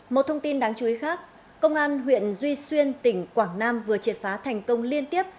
một thông tin đáng chú ý khác công an huyện duy xuyên tỉnh quảng nam vừa triệt phá thành công liên tiếp